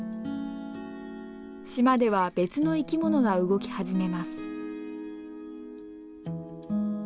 島では別の生き物が動き始めます。